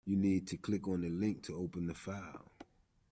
You need to click on the link to open the file